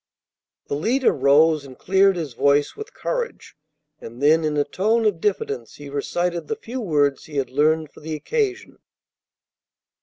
The leader rose, and cleared his voice with courage; and then in a tone of diffidence he recited the few words he had learned for the occasion.